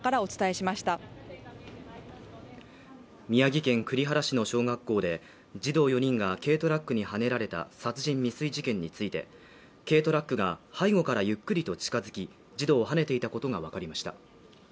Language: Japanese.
宮城県栗原市の小学校で児童４人が軽トラックにはねられた殺人未遂事件について、軽トラックが背後からゆっくりと近づき、児童をはねていたことがわかりました。